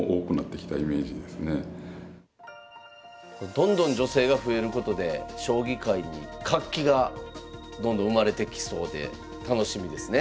どんどん女性が増えることで将棋界に活気がどんどん生まれてきそうで楽しみですね。